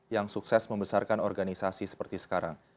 yang sukses membesarkan organisasi seperti sekarang